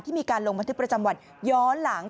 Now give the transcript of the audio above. มีการลงบันทึกประจำวันย้อนหลัง